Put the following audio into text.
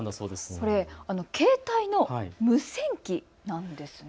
これ、携帯の無線機なんですね。